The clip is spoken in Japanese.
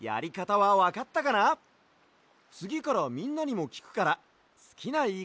つぎからみんなにもきくからすきないいかたでこたえてみてね！